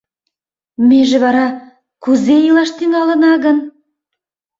— Меже вара кузе илаш тӱҥалына гын?